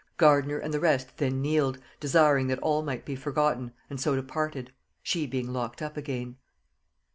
Gardiner and the rest then kneeled, desiring that all might be forgotten, and so departed; she being locked up again.